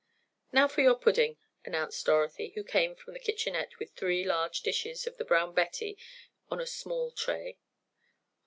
"Now for your pudding," announced Dorothy, who came from the kitchenette with three large dishes of the Brown Betty on a small tray.